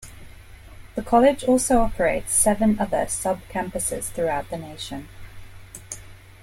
The college also operates seven other sub-campuses throughout the nation.